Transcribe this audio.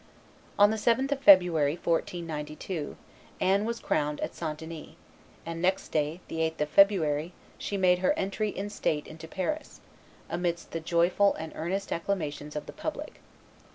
On the 7th of February, 1492, Anne was crowned at St. Denis; and next day, the 8th of February, she made her entry in state into Paris, amidst the joyful and earnest acclamations of the public.